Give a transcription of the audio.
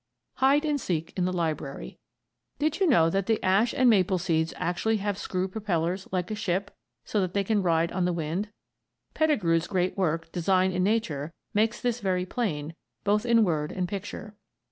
'" HIDE AND SEEK IN THE LIBRARY Did you know that the ash and maple seeds actually have screw propellers, like a ship, so that they can ride on the wind? Pettigrew's great work, "Design in Nature," makes this very plain, both in word and picture.